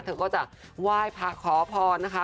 เธอก็จะไหว้พระขอพรนะคะ